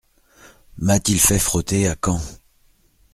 M’a-t-il fait frotter à Caen !